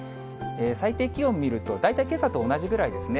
最低気温見ると、大体けさと同じぐらいですね。